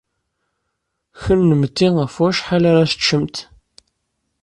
Kennemti ɣef wacḥal ara teččemt?